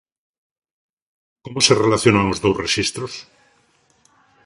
Como se relacionan os dous rexistros?